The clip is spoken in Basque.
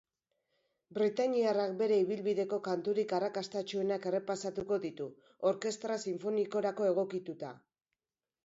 Britainiarrak bere ibilbideko kanturik arrakastatsuenak errepasatuko ditu, orkestra sinfonikorako egokituta.